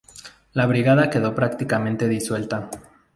La Brigada quedó prácticamente disuelta.